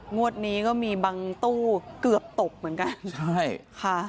งวดนี้ก็มีบางตู้เกือบตบเหมือนกัน